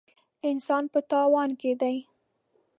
انسان په تاوان کې دی.